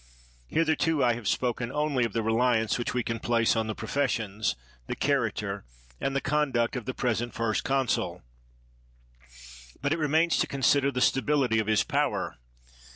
Hitherto I have spoken only of the reliance which we can place on the professions, the character, and the conduct of the present first consul; but it remains to consider the stability 22 PITT ■ of his power.